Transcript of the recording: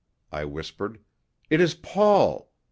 I whispered, "it is Paul.